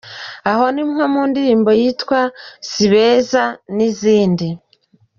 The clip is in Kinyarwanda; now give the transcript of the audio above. Aho ni nko mu ndirimbo yitwa “Kuki”, “Si Beza” n’izindi.